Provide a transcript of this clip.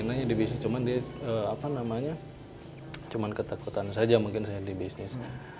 mungkin aja di bisnis cuman dia apa namanya cuman ketakutan saja mungkin saya di bisnis